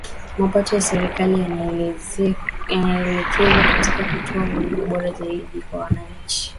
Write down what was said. Mapato ya serikali yanaelekezwa katika kutoa huduma bora zaidi kwa wananchi